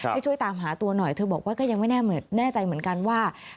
ให้ช่วยตามหาตัวหน่อยเธอบอกว่าก็ยังไม่แน่ใจเหมือนกันว่า